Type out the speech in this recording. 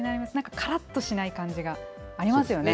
からっとしない感じがありますよね。